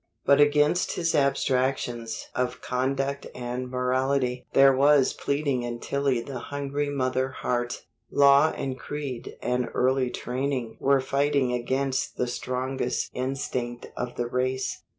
But against his abstractions of conduct and morality there was pleading in Tillie the hungry mother heart; law and creed and early training were fighting against the strongest instinct of the race.